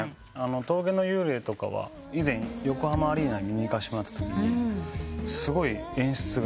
『峠の幽霊』とかは以前横浜アリーナに見に行かせてもらったときにすごい演出が。